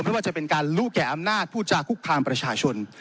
ไม่ว่าจะเป็นการรู้แก่อำนาจผู้จาคุกคามประชาชน